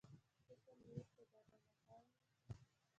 څو ثانیې وروسته دغه نهنګ